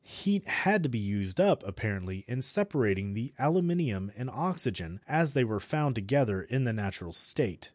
Heat had to be used up, apparently, in separating the aluminium and oxygen as they were found together in the natural state.